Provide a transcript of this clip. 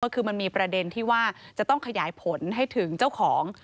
คือมันมีประเด็นที่ว่าจะต้องขยายผลให้ถึงเจ้าของ